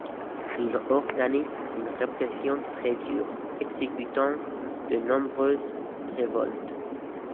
Il organise une répression très dure, exécutant de nombreux révoltés.